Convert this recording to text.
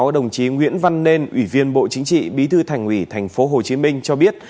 đồng chí nguyễn văn nên ủy viên bộ chính trị bí thư thành ủy thành phố hồ chí minh cho biết